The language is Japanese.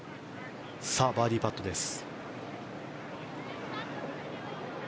さあ、バーディーパットです。